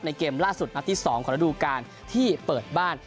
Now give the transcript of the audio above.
เกมล่าสุดนัดที่๒ของระดูการที่เปิดบ้าน